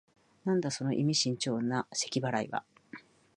なんだ、その意味深長なせき払いは。